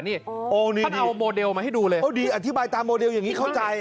อ๋อนี่ดีอธิบายตามโมเดลอย่างนี้เข้าใจ